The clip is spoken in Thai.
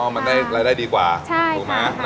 อ๋อมันได้รายได้ดีกว่าถูกไหมใช่ค่ะ